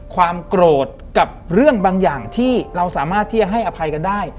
ความโกรธกับเรื่องบางอย่างที่เราสามารถที่จะให้อภัยกันได้